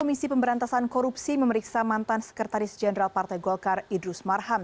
komisi pemberantasan korupsi memeriksa mantan sekretaris jenderal partai golkar idrus marham